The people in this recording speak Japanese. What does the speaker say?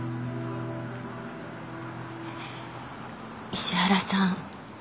石原さん。